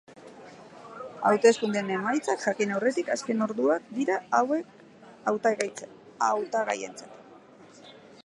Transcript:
Hauteskundeen emaitzak jakin aurretik azken orduak dira hauek hautagaientzat.